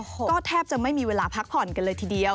ก็แทบจะไม่มีเวลาพักผ่อนกันเลยทีเดียว